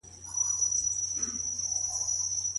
د حنبلي فقهاوو قول پدې اړه څه دی؟